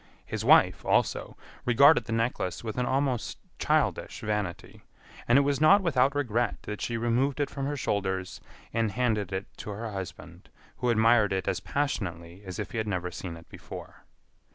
His wife, also, regarded the necklace with an almost childish vanity, and it was not without regret that she removed it from her shoulders and handed it to her husband who admired it as passionately as if he had never seen it before.